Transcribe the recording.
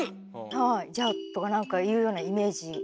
はい「じゃ」とかなんか言うようなイメージが。